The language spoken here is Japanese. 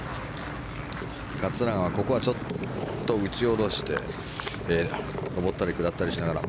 桂川は、ここは打ち下ろして上ったり下ったりしながら。